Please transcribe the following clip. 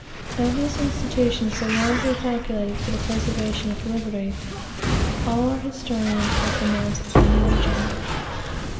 Of this institution, so wisely calculated for the preservation of liberty, all our, historians have pronounced the eulogium."